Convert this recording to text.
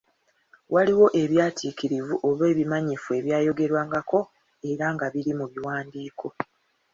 Waliwo ebyatiikirivu oba ebimanyifu ebyayogerwangako era nga biri mu biwandiiko.